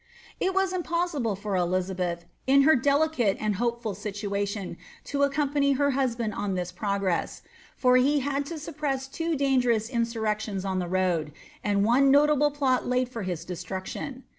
It was impossible for Elizabeth, in her delicate and hc^ful situatioi to accompany her husband on fSbin progress ; for he had to suppress tw dangerous insurrections on the road, and one notable plot laid for hi destruction.